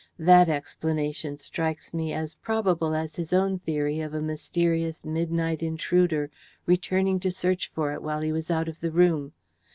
That explanation strikes me as probable as his own theory of a mysterious midnight intruder returning to search for it while he was out of the room.